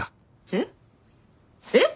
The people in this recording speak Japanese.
えっ？えっ！？